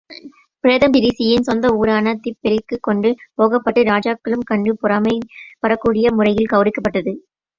பிரேதம் டிரீஸியின் சொந்த ஊரான திப்பெரரிக்குக் கொண்டு போகப்பட்டு, ராஜாக்களும் கண்டு பொறாமைப்படக்கூடிய முறையில் கெளரவிக்கப்பட்டது.